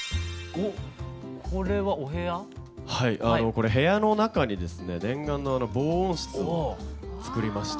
これ部屋の中にですね念願の防音室をつくりまして。